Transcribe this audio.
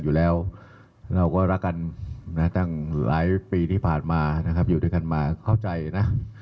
ซึ่งก็ต้องปล่อยให้รัฐบาลใหม่ดำเนินการนะแจะ